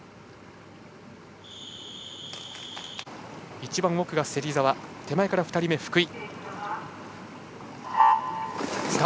一番奥が芹澤手前から２人目、福井。